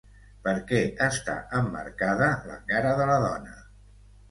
Per què està emmarcada la cara de la dona?